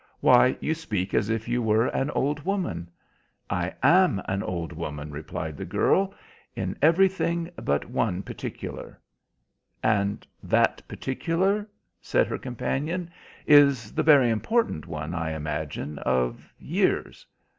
"Why, you speak as if you were an old woman." "I am an old woman," replied the girl, "in everything but one particular." "And that particular," said her companion, "is the very important one, I imagine, of years."